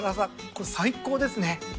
これ最高ですね。